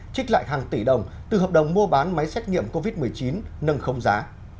trích lại hàng tỷ đồng từ hợp đồng mua bán máy xét nghiệm covid một mươi chín nâng khống giá